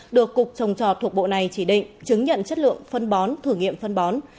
được cục trồng trò thuộc bộ này chỉ định chứng nhận chất lượng phân bón thử nghiệm phân bón